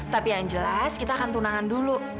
tapi yang jelas kita akan tunangan dulu